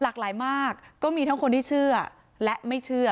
หลากหลายมากก็มีทั้งคนที่เชื่อและไม่เชื่อ